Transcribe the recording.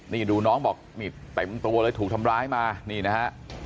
นี่ดูน้องบอกนี่เต็มตัวเลยถูกทำร้ายมานี่นะฮะ